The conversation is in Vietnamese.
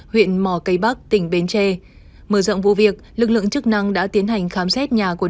huyện mỏ cây bắc tỉnh bến tre mở rộng vụ việc lực lượng chức năng đã tiến hành khám xét nhà của